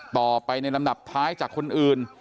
ต่อไปในลำดับท้ายจากคนอื่น